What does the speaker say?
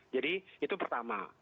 jadi itu pertama